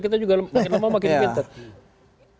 kita juga makin lama makin pinter